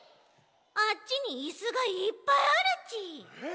あっちにイスがいっぱいあるち！え？